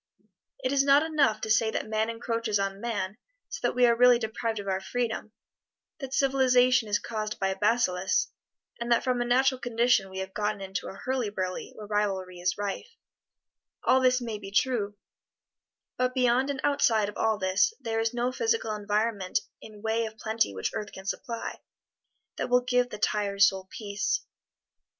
It is not enough to say that man encroaches on man so that we are really deprived of our freedom, that civilization is caused by a bacillus, and that from a natural condition we have gotten into a hurly burly where rivalry is rife all this may be true, but beyond and outside of all this there is no physical environment in way of plenty which earth can supply, that will give the tired soul peace.